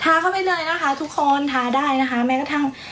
เข้าไปเลยนะคะทุกคนทาได้นะคะแม้กระทั่ง